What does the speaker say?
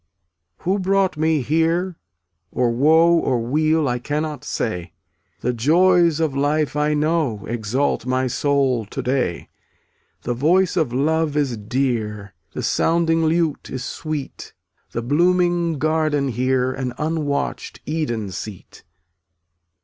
3 14 Who brought me here — or Woe Or Weal — I cannot say; The joys of life, I know, Exalt my soul to day. The voice of love is dear, The sounding lute is sweet, The blooming garden here An unwatched Eden seat.